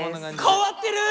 代わってる！